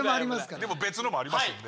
でも別のもありますんで。